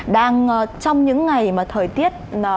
đang trong những ngày mà thời tiết